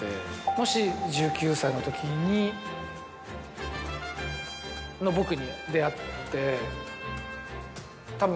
もし１９歳の時の僕に出会って。